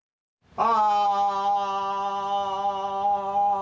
あ。